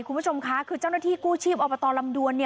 คุณผู้ชมคะคือเจ้าหน้าที่คู่ชีพอบรรตอบรรมดุน